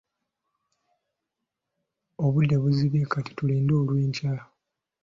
Obudde buzibye kati tulinde olw'enkya.